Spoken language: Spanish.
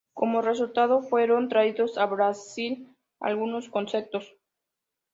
Como resultado, fueron traídos a Brasil algunos conceptos.